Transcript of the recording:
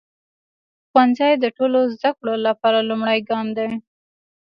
ښوونځی د ټولو زده کړو لپاره لومړی ګام دی.